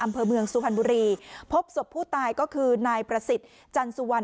อำเภอเมืองสุพรรณบุรีพบศพผู้ตายก็คือนายประสิทธิ์จันสุวรรณ